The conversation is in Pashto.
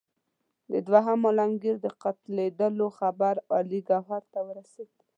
د دوهم عالمګیر د قتلېدلو خبر علي ګوهر ته ورسېد.